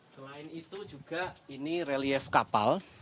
selain itu juga ini relief kapal